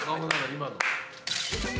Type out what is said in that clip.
今の。